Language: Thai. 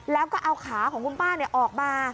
แล้วก็เอาขาของคุณป้าออกมา